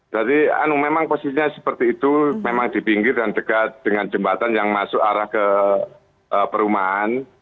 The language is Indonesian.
jadi memang posisinya seperti itu memang dipinggir dan dekat dengan jembatan yang masuk arah ke perumahan